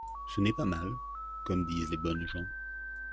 Ce n’est pas mal, comme disent les bonnes gens.